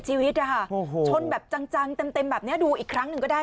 ชีวิตนะคะชนแบบจังเต็มแบบนี้ดูอีกครั้งหนึ่งก็ได้